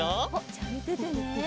じゃあみててね。